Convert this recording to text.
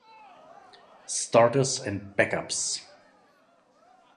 Starters and backups.